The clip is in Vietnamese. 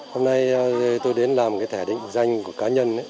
hôm nay tôi đến làm cái thẻ định danh của cá nhân